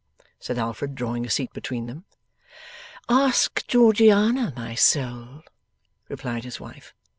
said Alfred, drawing a seat between them. 'Ask Georgiana, my soul,' replied his wife.